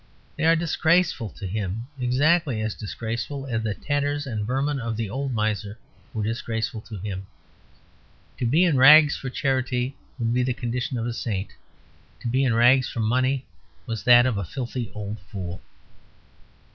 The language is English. They are disgraceful to him: exactly as disgraceful as the tatters and vermin of the old miser were disgraceful to him. To be in rags for charity would be the condition of a saint; to be in rags for money was that of a filthy old fool.